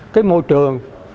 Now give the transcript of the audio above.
cái môi trường